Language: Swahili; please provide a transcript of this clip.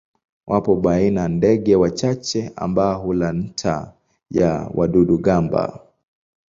Wapo baina ndege wachache ambao hula nta ya wadudu-gamba.